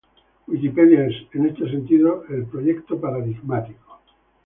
Wikipedia es, en este sentido, el proyecto paradigmático.